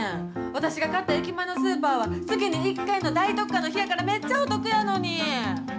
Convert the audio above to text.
私が買った駅前のスーパーは、月に１回の大特価の日やからめっちゃお得やのに。